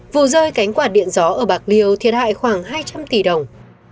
vụ rơi cánh quạt điện gió ở bạc liêu thiệt hại khoảng hai trăm linh tỷ đồng